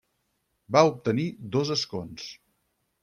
Va obtenir dos escons.